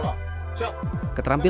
membuat camaran yang lebih baik